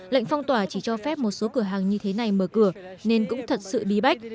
lệnh phong tỏa chỉ cho phép một số cửa hàng như thế này mở cửa nên cũng thật sự bí bách